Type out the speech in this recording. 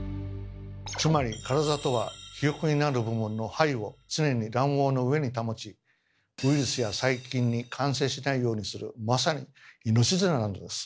つまりカラザとはヒヨコになる部分の胚を常に卵黄の上に保ちウイルスや細菌に感染しないようにするまさに命綱なのです。